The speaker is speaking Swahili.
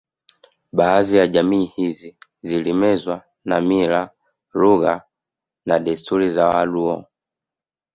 Baadhi ya jamii hizi zilimezwa na mila lugha na desturi za Waluo